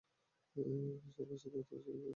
সাথে করে এতকিছু কী এনেছেন?